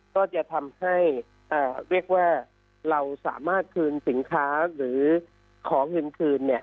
ก็จะทำให้เรียกว่าเราสามารถคืนสินค้าหรือขอเงินคืน